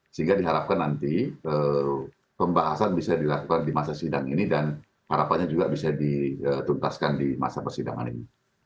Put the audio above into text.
sehingga diharapkan nanti pembahasan bisa dilakukan di masa sidang ini dan harapannya juga bisa dituntaskan di masa persidangan ini